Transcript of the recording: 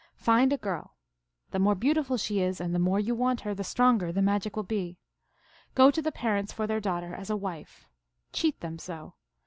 Find a girl ; the more beautiful she is and the more you want her, the stronger the magic will be. Go to the parents for their daughter as a wife. Cheat them so.